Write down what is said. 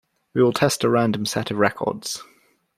We will test a random set of records.